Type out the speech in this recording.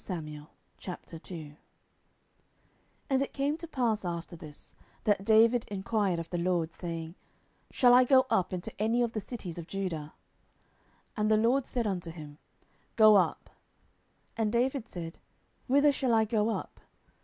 10:002:001 And it came to pass after this, that David enquired of the LORD, saying, Shall I go up into any of the cities of Judah? And the LORD said unto him, Go up. And David said, Whither shall I go up?